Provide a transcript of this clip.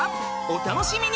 お楽しみに！